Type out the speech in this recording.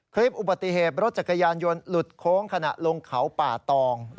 คลิปอุบัติเหตุรถจักรยานยนต์หลุดโค้งขณะลงเขาป่าตอง